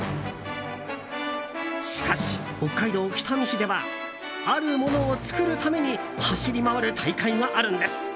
しかし、北海道北見市ではあるものを作るために走り回る大会があるんです。